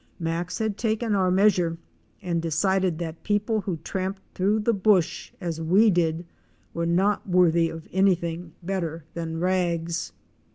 Max had taken our measure and decided that people who tramped through the "bush" as we did were not worthy of anything better than rags.